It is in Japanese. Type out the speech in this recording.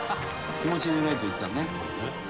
「気持ち入れないといったんね」